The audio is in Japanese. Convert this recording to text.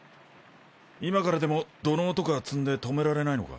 今からでも土嚢とか積んで止められないのか？